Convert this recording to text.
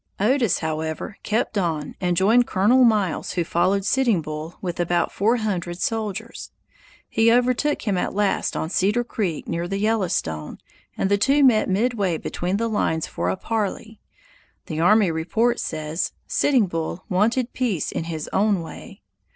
Otis, however, kept on and joined Colonel Miles, who followed Sitting Bull with about four hundred soldiers. He overtook him at last on Cedar Creek, near the Yellowstone, and the two met midway between the lines for a parley. The army report says: "Sitting Bull wanted peace in his own way."